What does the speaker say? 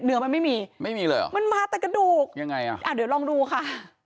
มันไม่มีไม่มีเลยเหรอมันมาแต่กระดูกยังไงอ่ะอ่าเดี๋ยวลองดูค่ะ